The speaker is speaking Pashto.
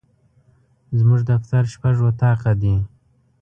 زموږ دفتر شپږ اطاقه دي.